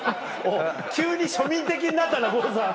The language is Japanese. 急に庶民的になったな郷さん。